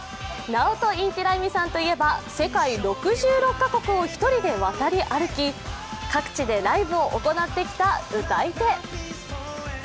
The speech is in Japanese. ナオト・インティライミさんといえば世界６６か国を１人で渡り歩き、各地でライブを行ってきた歌い手。